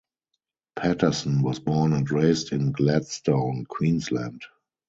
Paterson was born and raised in Gladstone, Queensland.